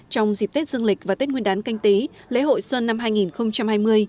trong dịp tết dương lịch và tết nguyên đán canh tí lễ hội xuân năm hai nghìn hai mươi